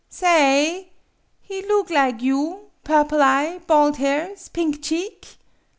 " Sa ayJ He loog lig you purple eye, bald hairs, pink cheek